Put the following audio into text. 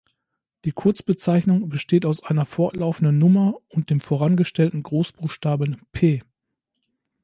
Die Kurzbezeichnung besteht aus einer fortlaufenden Nummer und dem vorangestellten Großbuchstaben „P“.